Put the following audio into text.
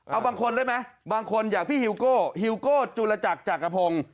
เอาบางคนได้ไหมบางคนอย่างพี่ฮิวโก้ฮิวโก้จุลจักรจักรพงศ์